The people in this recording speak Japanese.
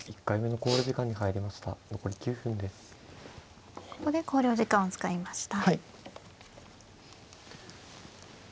ここで考慮時間を使いました。